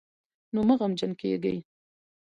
نو مه غمجن کېږئ